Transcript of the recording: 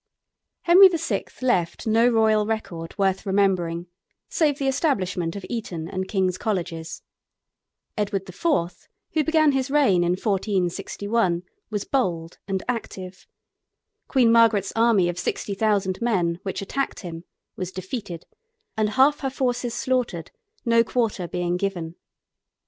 Henry VI. left no royal record worth remembering save the establishment of Eton and King's Colleges. Edward IV., who began his reign in 1461, was bold and active. Queen Margaret's army of sixty thousand men which attacked him was defeated and half her forces slaughtered, no quarter being given.